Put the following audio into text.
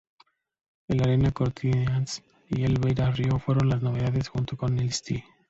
El Arena Corinthians y el Beira-Rio fueron las novedades, junto con el St.